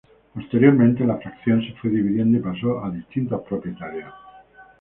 Posteriormente la fracción se fue dividiendo y paso a distintos propietarios.